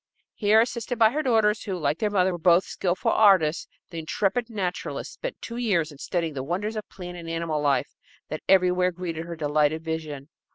Here, assisted by her daughters, who, like their mother, were both skillful artists, the intrepid naturalist spent two years in studying the wonders of plant and animal life that everywhere greeted her delighted vision.